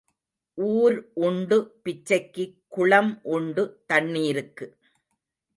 ஊர் உண்டு பிச்சைக்கு குளம் உண்டு தண்ணீருக்கு.